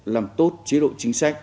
làm tốt chế độ chính sách